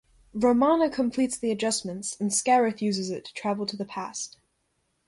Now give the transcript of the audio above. Romana completes the adjustments, and Scaroth uses it to travel to the past.